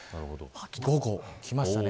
午後、きましたね。